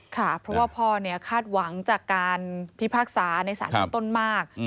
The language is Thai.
ค่ะเพราะว่าพ่อคาดหวังจากการพิพากษาในศาลชั้นต้นมาก